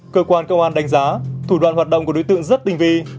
cơ quan công an đánh giá thủ đoàn hoạt động của đối tượng rất tình vi